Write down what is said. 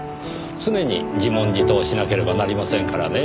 常に自問自答しなければなりませんからねぇ。